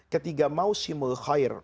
ketika mau simul khair